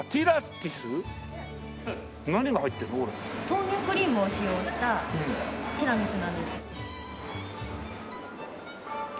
豆乳クリームを使用したティラミスなんです。